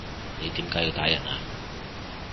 你點解要打人啊？